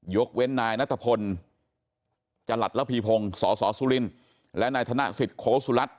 ยกเว้นนายนัทพลจรัสระพีพงศ์สสสุรินและนายธนสิทธิโคสุรัตน